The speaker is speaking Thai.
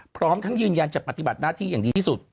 พร้อมทั้งยืนยันจะปฏิบัติหน้าที่อย่างดีที่สุด